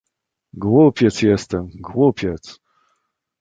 "„Głupiec jestem, głupiec!"